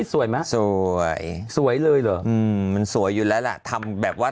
สวยไหมสวยสวยเลยเหรออืมมันสวยอยู่แล้วล่ะทำแบบว่า